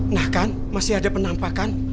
nah kan masih ada penampakan